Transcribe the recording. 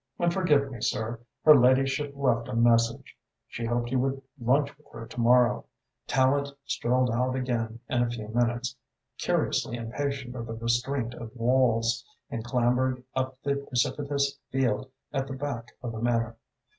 And forgive me, sir her ladyship left a message. She hoped you would lunch with her to morrow." Tallente strolled out again in a few minutes, curiously impatient of the restraint of walls, and clambered up the precipitous field at the back of the Manor.